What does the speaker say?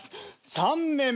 ３年目。